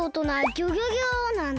ギョギョ